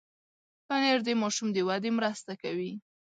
پنېر د ماشوم د ودې مرسته کوي.